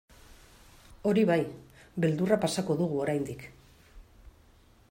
Hori bai, beldurra pasako dugu oraindik.